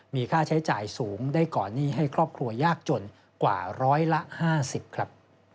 มีค่าใช้จ่ายสูงได้ก่อนหนี้ให้ครอบครัวยากจนกว่าร้อยละ๕๐ครับ